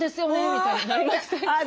みたいになりませんか？